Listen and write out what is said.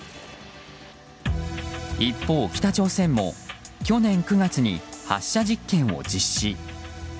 一方、北朝鮮も去年９月に発射実験を実施。